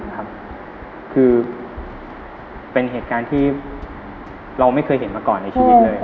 คือเป็นเหตุการณ์ที่เราไม่เคยเห็นมาก่อนในชีวิตเลย